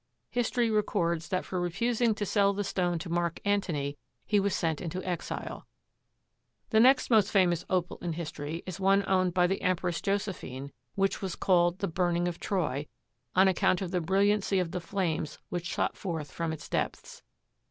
History records that for refusing to sell the stone to Mark Antony he was sent into exile. The next most famous Opal in history is one owned by the Empress Josephine which was called "The Burning of Troy," on account of the brilliancy of the flames which shot forth from its depths.